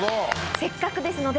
せっかくですので。